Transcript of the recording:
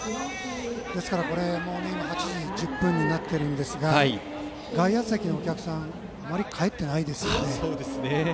ですから、今８時１０分になっていますが外野席のお客さんがあまり帰ってないですね。